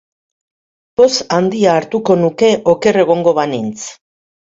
Poz handia hartuko nuke oker egongo banintz.